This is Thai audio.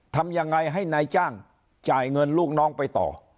ทำยังไงให้นายจ้างจ่ายเงินลูกน้องไปต่อ